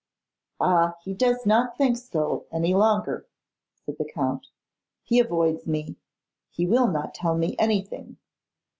'Ah! he does not think so any longer,' said the Count; 'he avoids me, he will not tell me anything.